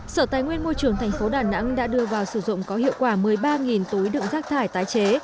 sở tài nguyên môi trường thành phố đà nẵng đã đưa vào sử dụng có hiệu quả một mươi ba túi đựng rác thải tái chế